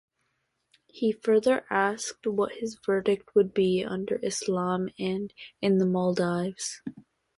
He further asked what his verdict would be under Islam and in the Maldives.